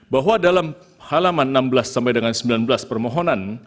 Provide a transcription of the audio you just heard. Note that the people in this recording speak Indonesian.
bahwa dalam halaman enam belas sampai dengan sembilan belas permohonan